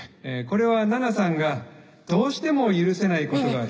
これは菜奈さんがどうしても許せないことが。